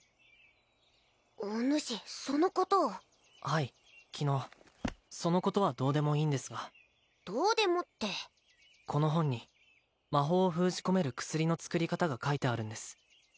おぬしそのことをはい昨日そのことはどうでもいいんですがどうでもってこの本に魔法を封じ込める薬の作り方が書いてあるんです